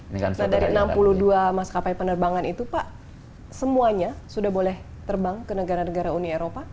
nah dari enam puluh dua maskapai penerbangan itu pak semuanya sudah boleh terbang ke negara negara uni eropa